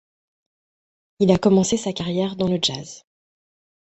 Il a commencé sa carrière dans le jazz.